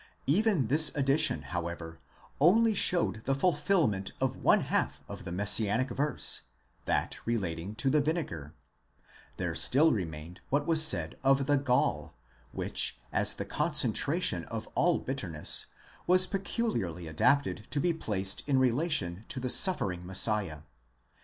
Even this addition, however, only showed the fulfilment of one half of the messianic verse, that relating to the vinegar: there still remained what was said of the gall, which, as the concentration of all bitterness, was peculiarly adapted to be placed in relation to the suffering Messiah.